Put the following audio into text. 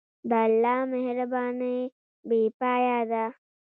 د الله مهرباني بېپایه ده.